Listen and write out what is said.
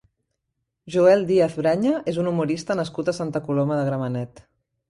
Joel Díaz Braña és un humorista nascut a Santa Coloma de Gramenet.